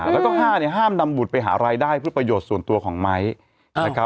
แล้วก็๕ห้ามนำบุตรไปหารายได้เพื่อประโยชน์ส่วนตัวของไม้นะครับ